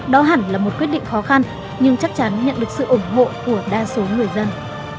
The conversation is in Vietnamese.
đó hẳn là một quyết định khó khăn nhưng chắc chắn nhận được sự ủng hộ của đa số người dân